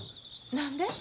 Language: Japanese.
何で？